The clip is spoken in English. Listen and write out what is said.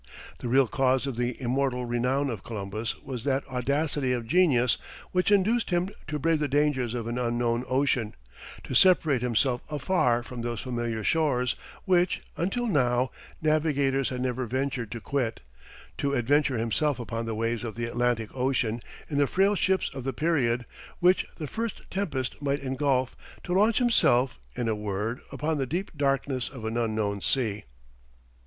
The real cause of the immortal renown of Columbus was that audacity of genius which induced him to brave the dangers of an unknown ocean, to separate himself afar from those familiar shores, which, until now, navigators had never ventured to quit, to adventure himself upon the waves of the Atlantic Ocean in the frail ships of the period, which the first tempest might engulf, to launch himself, in a word, upon the deep darkness of an unknown sea.